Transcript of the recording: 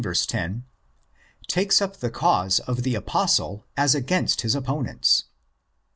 10) takes up the cause of the Apostle as against his opponents.